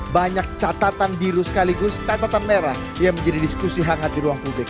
banyak catatan biru sekaligus catatan merah yang menjadi diskusi hangat di ruang publik